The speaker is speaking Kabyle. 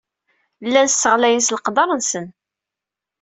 Llan sseɣlayen s leqder-nsen.